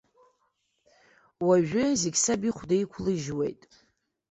Уажәы, зегь саб ихәда иқәлыжьуеит.